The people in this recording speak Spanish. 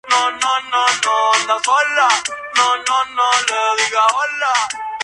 Batman se cae de "Archie" y es golpeado por una turba.